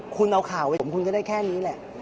คุณเอาข่าวให้ผมคุณก็ได้แค่นี้แหละ